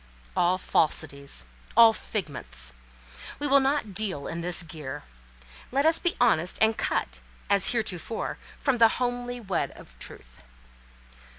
All falsities—all figments! We will not deal in this gear. Let us be honest, and cut, as heretofore, from the homely web of truth.